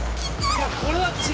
いやこれは違う。